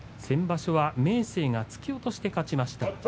先場所は明生が突き落としで勝ちました。